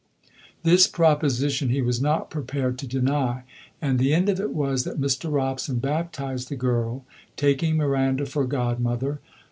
This proposition he was not prepared to deny, and the end of it was that Mr. Robson baptised the girl, taking Miranda for godmother.